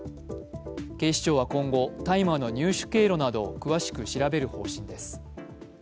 警視庁は今後、大麻の入手経路などを詳しく調べる方針です。